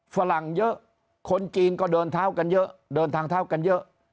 ฝรั่งเยอะคนจีนก็เดินเท้ากันเยอะเดินทางเท้ากันเยอะ